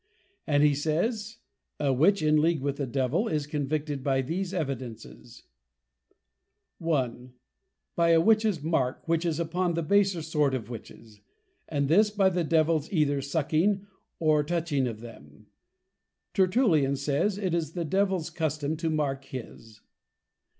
And he says, 'A witch in league with the +Devil+ is convicted by these Evidences; I. By a witches Mark; which is upon the Baser sort of Witches; and this, by the Devils either Sucking or Touching of them. Tertullian says, _It is the Devils custome to mark his.